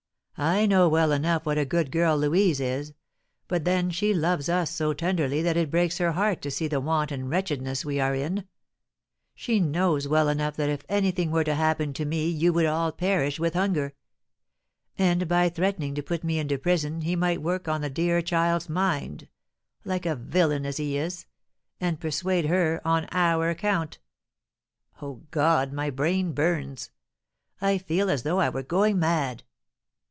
I know well enough what a good girl Louise is; but then she loves us so tenderly that it breaks her heart to see the want and wretchedness we are in. She knows well enough that if anything were to happen to me you would all perish with hunger; and by threatening to put me into prison he might work on the dear child's mind, like a villain as he is, and persuade her, on our account! O, God, my brain burns! I feel as though I were going mad."